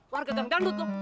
warga gang danut lo